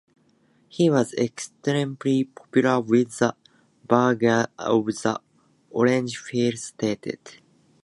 He was extremely popular with the burghers of the Orange Free State.